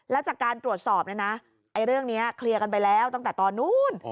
แล้วจากการตรวจสอบเนี่ยนะเรื่องนี้เคลียร์กันไปแล้วตั้งแต่ตอนนู้น